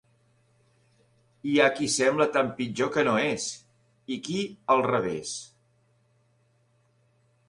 Hi ha qui sembla tant pitjor que no és, i qui al revés!